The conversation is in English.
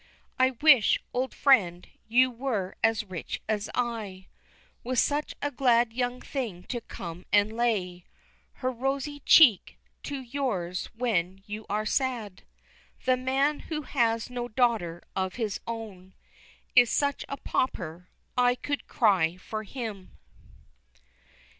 I wish, old friend, you were as rich as I With such a glad young thing to come and lay Her rosy cheek to yours when you are sad! The man who has no daughter of his own Is such a pauper, I could cry for him.